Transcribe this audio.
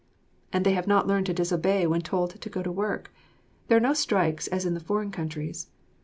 And they have not learned to disobey when told to go to work. There are no strikes as in the foreign countries.